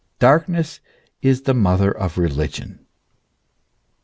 Dark ness is the mother of religion.